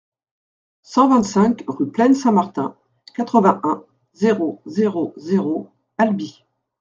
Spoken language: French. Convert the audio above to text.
cent vingt-cinq rue Plaine Saint-Martin, quatre-vingt-un, zéro zéro zéro, Albi